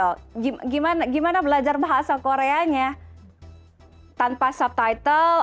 bagaimana belajar bahasa korea tanpa subtitle